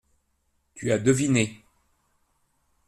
Tu as deviné.